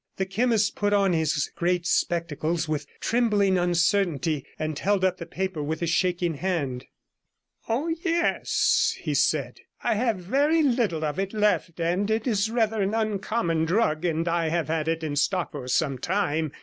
The chemist put on his great spectacles with trembling uncertainty, and held up the paper with a shaking hand 'Oh, yes,' he said, 'I have very little of it left; it is rather an uncommon drug, and I have had it in stock some time.